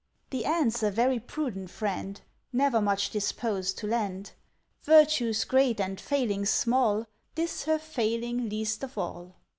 The Ant's a very prudent friend, Never much disposed to lend; Virtues great and failings small, This her failing least of all.